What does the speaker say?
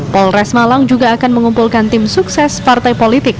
polres malang juga akan mengumpulkan tim sukses partai politik